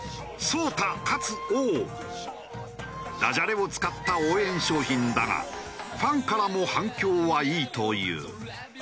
ダジャレを使った応援商品だがファンからも反響はいいという。